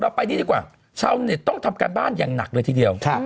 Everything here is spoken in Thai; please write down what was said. ไปนี่ดีกว่าชาวเน็ตต้องทำการบ้านอย่างหนักเลยทีเดียว